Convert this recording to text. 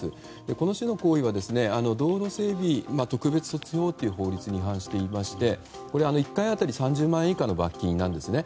この種の行為は道路整備特別措置法という法律に違反していまして１回当たり３０万円以下の罰金なんですね。